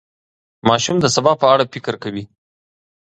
ماشوم د سبا په اړه فکر کوي.